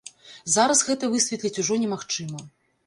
Зараз гэта высветліць ужо немагчыма.